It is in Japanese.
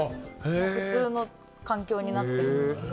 普通の環境になってるんですけど。